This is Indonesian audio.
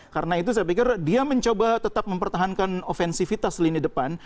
karena itu saya pikir dia mencoba tetap mempertahankan ofensivitas lini depan